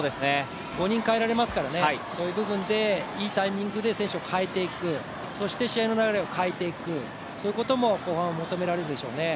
５人代えられますからね、いいタイミングで代えていく、そして試合の流れを変えていく、そういうことも後半は求められるでしょうね。